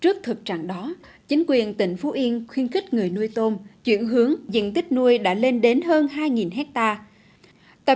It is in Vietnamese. trước thực trạng đó chính quyền tỉnh phú yên khuyến khích người nuôi tôm chuyển hướng diện tích nuôi đã lên đến hơn hai hectare